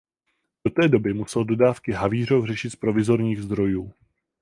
Do té doby musel dodávky Havířov řešit z provizorních zdrojů.